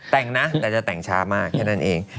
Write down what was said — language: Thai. แต่งนะแต่จะแต่งช้ามากแค่นั้นเอง